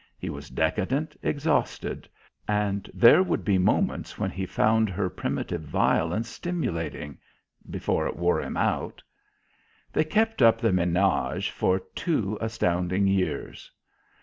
He was decadent, exhausted; and there would be moments when he found her primitive violence stimulating, before it wore him out. They kept up the ménage for two astounding years.